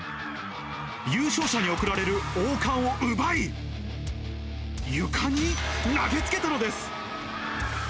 優勝者に贈られる王冠を奪い、床に投げつけたのです。